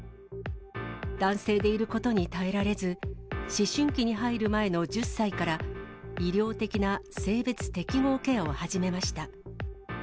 男性でいることに耐えられず、思春期に入る前の１０歳から、医療的な性別適合ケアを始めました。